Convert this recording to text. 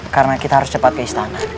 karena kita harus cepat ke istana